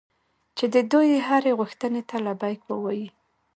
چې د دوی هرې غوښتنې ته لبیک ووایي.